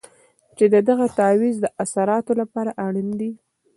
چې د دغه تعویض د اثراتو لپاره اړین دی.